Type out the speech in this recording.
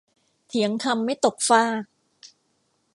เถียงคำไม่ตกฟาก